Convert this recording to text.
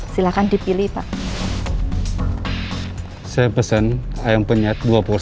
selamat siang selamat datang